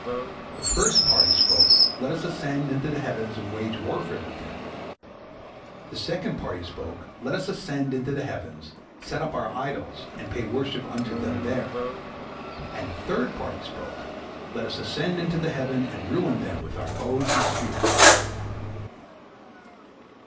The first party spoke, Let us ascend into the heavens and wage warfare with Him; the second party spoke, Let us ascend into the heavens, set up our idols, and pay worship unto them there; and the third party spoke, Let us ascend into the heavens, and ruin them with our bows and spears.